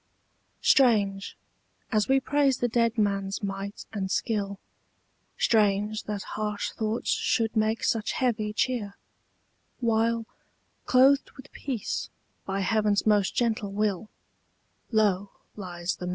Strange, as we praise the dead man's might and skill, Strange that harsh thoughts should make such heavy cheer, While, clothed with peace by heaven's most gentle will, Low lies the mere.